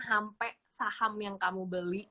sampai saham yang kamu beli